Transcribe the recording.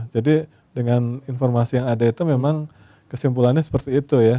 jadi dengan informasi yang ada itu memang kesimpulannya seperti itu ya